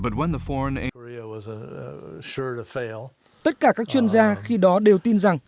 tất cả các chuyên gia khi đó đều tin rằng